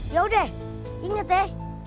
ya udah inget deh